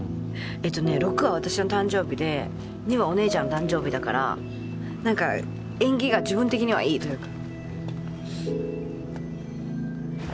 えっとね「６」は私の誕生日で「２」はお姉ちゃんの誕生日だから何か縁起が自分的にはいいというか。